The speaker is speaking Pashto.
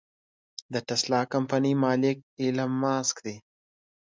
د ټسلا کمپنۍ مالک ايلام مسک دې.